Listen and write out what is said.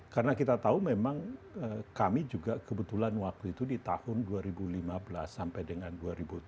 karena kita tahu memang kami juga kebetulan waktu itu di tahun dua ribu lima belas sampai dengan dua ribu tujuh belas dua ribu delapan belas terlibat